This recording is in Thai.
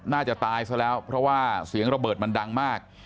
น่าจะตายซะแล้วเพราะว่าเสียงระเบิดมันดังมาก